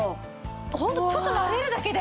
ホントちょっとなでるだけで。